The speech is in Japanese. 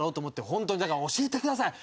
ホントにだから教えてください。